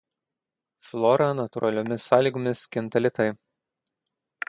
Flora natūraliomis sąlygomis kinta lėtai.